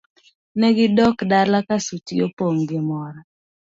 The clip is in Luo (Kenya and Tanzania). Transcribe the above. Ne gidok dala ka suchgi opong' gi mor.